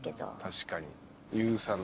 確かに。